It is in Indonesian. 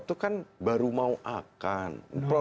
itu kan baru mau akan